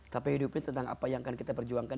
tapi hidup ini tentang apa yang akan kita perjuangkan